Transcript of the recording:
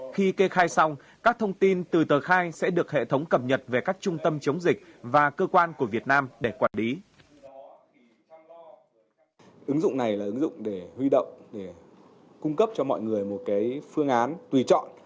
khi kê khai xong các thông tin từ tờ khai sẽ được hệ thống cập nhật về các trung tâm chống dịch và cơ quan của việt nam để quản lý